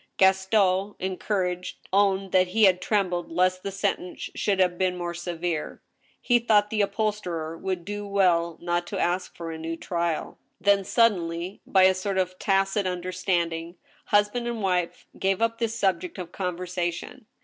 Gas ton, encouraged, owned that he had trembled lest the sentence should have been more severe. He thought the upholsterer would do well not to ask for a new trial. Then suddenly, by a sort of tacit understanding, husband and wife gave up this subject of conversation.